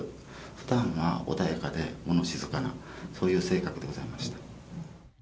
ふだんは穏やかでもの静かな、そういう性格でございました。